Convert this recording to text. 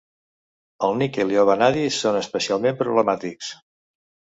El níquel i el vanadi són especialment problemàtics.